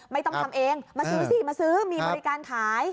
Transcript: ไม่ต้องทำเองมาซื้อสิมาซื้อมีบริการขาย